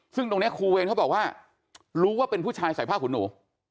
ซึ่งตรงนี้ครูเวรเขาบอกว่ารู้ว่าเป็นผู้ชายใส่ผ้าขุนหนู